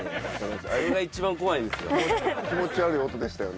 あれが一番怖いんですよ。